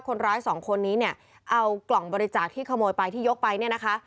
คนร้ายสองคนนี้เนี่ยเอากล่องบริจาคที่ขโมยไปที่ยกไปเนี่ยนะคะ